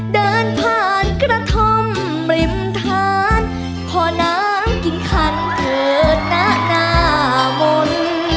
เดินผ่านกระท่อมริมทานพอน้ำกินคันเถิดนะหน้ามนต์